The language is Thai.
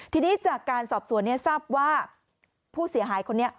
ทีนี้จากการสอบสวนทราบว่าผู้เสียหายคนนี้